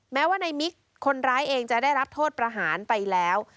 แม้ว่าในมิกคนร้ายเองจะได้รับโทษประหารไปแล้ว